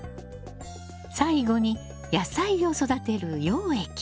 最後に野菜を育てる養液。